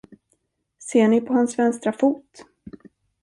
Ser ni på hans vänstra fot?